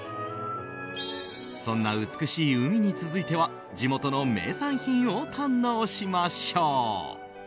そんな美しい海に続いては地元の名産品を堪能しましょう。